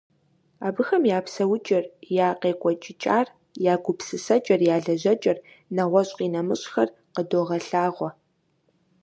Абыхэм я псэукӀэр, я къекӀуэкӀыкӀар, я гупысэкӀэр, я лэжьэкӀэр, нэгъуэщӀ-къинэмыщӀхэр къыдогъэлъэгъуэ.